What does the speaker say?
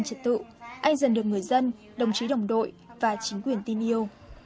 ngay dần được người dân đồng chí đồng đội và chính quyền tin yêu